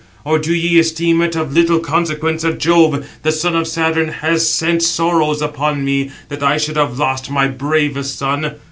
Or do ye esteem it of little consequence that Jove, the son of Saturn, has sent sorrows upon me, that I should have lost my bravest son?